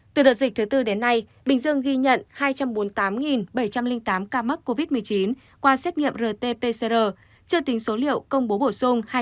từ đợt dịch thứ tư đến nay bình dương ghi nhận hai trăm bốn mươi tám bảy trăm linh tám ca mắc covid một mươi chín qua xét nghiệm rt pcr chưa tính số liệu công bố bổ sung